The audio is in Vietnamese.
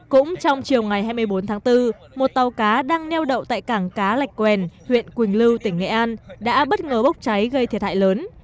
cũng trong chiều ngày hai mươi bốn tháng bốn một tàu cá đang neo đậu tại cảng cá lạch quen huyện quỳnh lưu tỉnh nghệ an đã bất ngờ bốc cháy gây thiệt hại lớn